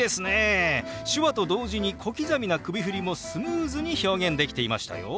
手話と同時に小刻みな首振りもスムーズに表現できていましたよ。